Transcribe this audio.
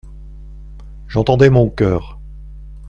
J'entendais mon coeur.